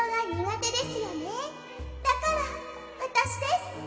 だからわたしです！